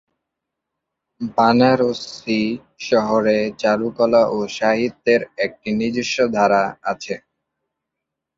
বারাণসী শহরে চারুকলা ও সাহিত্যের একটি নিজস্ব ধারা আছে।